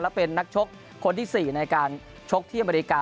และเป็นนักชกคนที่๔ในการชกที่อเมริกา